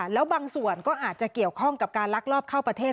แล้วบางส่วนก็อาจจะเกี่ยวข้องกับการลักลอบเข้าประเทศ